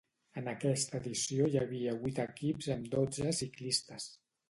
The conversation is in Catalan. En aquesta edició hi havia vuit equips amb dotze ciclistes.